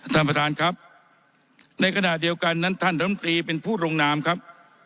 ท่านประธานครับในขณะเดียวกันนั้นท่านรำตรีเป็นผู้ลงนามครับ